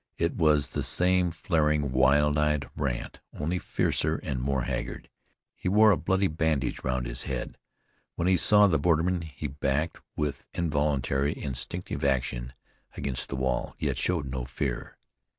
It was the same flaring, wild eyed Brandt, only fiercer and more haggard. He wore a bloody bandage round his head. When he saw the borderman he backed, with involuntary, instinctive action, against the wall, yet showed no fear.